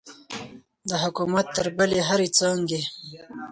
د حکومت تر بلې هرې څانګې.